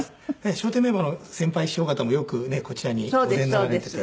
笑点メンバーの先輩師匠方もよくねえこちらにお出になられていて。